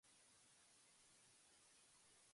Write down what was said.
栃木県塩谷町